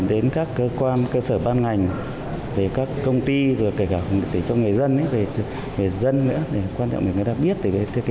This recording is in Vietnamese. đến các cơ quan cơ sở ban ngành các công ty kể cả cho người dân người dân nữa quan trọng là người ta biết